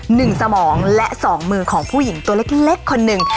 หนึ่งสมองและสองมือของผู้หญิงตัวเล็กคนนึง